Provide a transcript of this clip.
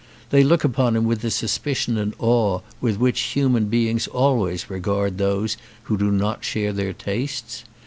They look upon him with the suspicion and awe with which human beings always regard those who do not share their tastes.